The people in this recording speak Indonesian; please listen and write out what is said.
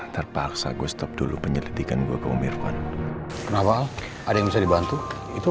terpaksa gue stop dulu penyelidikan gua ke umirwan kenapa al ada yang bisa dibantu itu